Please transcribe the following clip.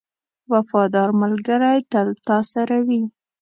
• وفادار ملګری تل تا سره وي.